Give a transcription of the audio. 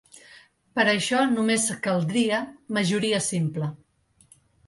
Per a això només caldria majoria simple.